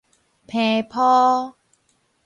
伻鋪